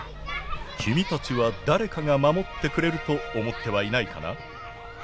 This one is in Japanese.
君たちは誰かが守ってくれると思ってはいないかな？